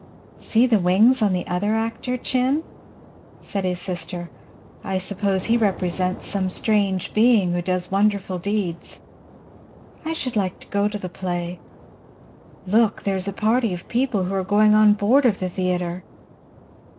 "See the wings on the other actor, Chin," said his sister. "I suppose he represents some strange being who does wonderful deeds. I should like to go to the play. Look! there is a party of people who are going on board of the theatre."